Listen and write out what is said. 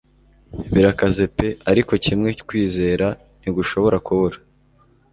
Birakaze pe ariko kimwe kwizera ntigushobora kubura.